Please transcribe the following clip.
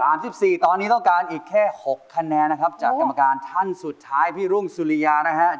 สี่ตอนนี้ต้องการอีกแค่หกคะแนนนะครับจากกรรมการท่านสุดท้ายพี่รุ่งสุริยานะฮะ